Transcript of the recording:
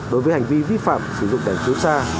đối với hành vi vi phạm sử dụng tài chiếu xa